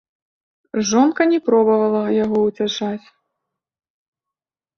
Жонка не пробавала яго ўцяшаць.